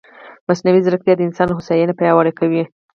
مصنوعي ځیرکتیا د انسان هوساینه پیاوړې کوي.